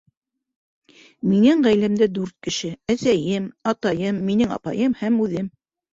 Минең ғаиләмдә дүрт кеше: әсәйем, атайым, минең апайым һәм үҙем